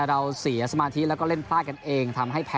เราเนี่ยเดี๋ยวเราก็เล่นพลาดนั่นเอง